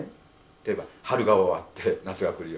例えば春が終わって夏が来るように。